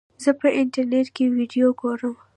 زه په انټرنیټ کې ویډیو ګورم.